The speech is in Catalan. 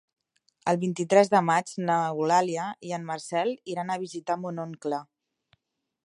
El vint-i-tres de maig n'Eulàlia i en Marcel iran a visitar mon oncle.